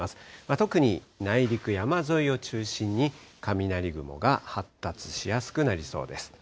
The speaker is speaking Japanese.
特に内陸、山沿いを中心に、雷雲が発達しやすくなりそうです。